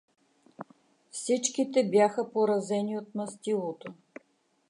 Всичките бяха поразени от мастилото.